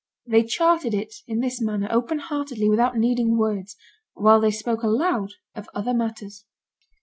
They charted it in this manner open heartedly without needing words, while they spoke aloud of other matters.